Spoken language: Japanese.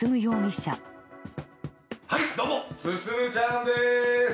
はい、どうも進ちゃんです！